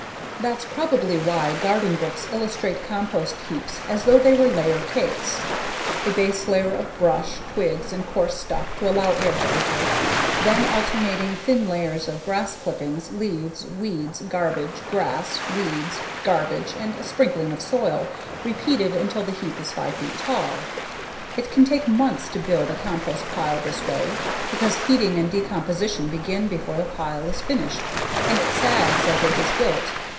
That's probably why most garden books illustrate compost heaps as though they were layer cakes: a base layer of brush, twigs, and coarse stuff to allow air to enter, then alternating thin layers of grass clippings, leaves, weeds, garbage, grass, weeds, garbage, and a sprinkling of soil, repeated until the heap is five feet tall. It can take months to build a compost pile this way because heating and decomposition begin before the pile is finished and it sags as it is built.